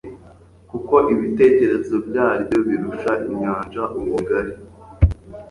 kuko ibitekerezo byaryo birusha inyanja ubugari